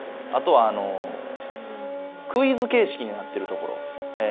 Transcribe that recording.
あとはクイズ形式になってるところ。